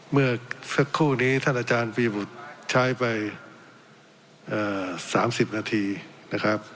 เมื่อสักครู่นี้ท่านอาจารย์พีบุธใช้ไปเอ่อสามสิบนาทีนะครับ